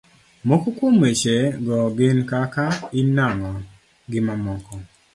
moko kuom weche go gin kaka; in nang'o? gimamoko